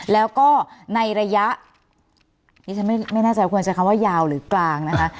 แล้วก็ในระยะนี้ฉันไม่แน่ใจควรใช้คำว่ายาวหรือกลางนะคะ